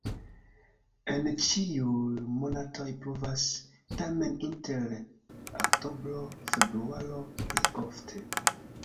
En ĉiuj monatoj pluvas, tamen inter oktobro-februaro pli ofte.